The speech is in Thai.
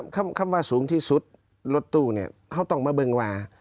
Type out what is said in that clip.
คำว่าสูงที่สุดรถตู้เนี่ยเขาต้องมาเบิ้งวา